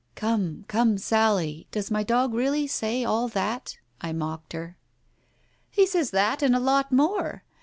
" "Come, come, Sally, does my dog really say all that?" I mocked her. "He says that and a lot more.